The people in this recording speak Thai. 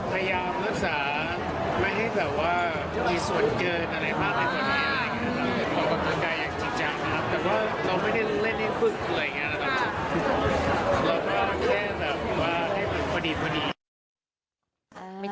พยายามรักษาไม่ให้แบบว่ามีส่วนเกินอะไรมากให้ตัวเนี้ยอะไรเงี้ย